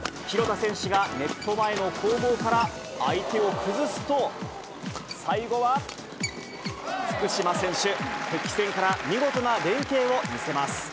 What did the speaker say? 廣田選手がネット前の攻防から相手を崩すと、最後は福島選手、復帰戦から見事な連係を見せます。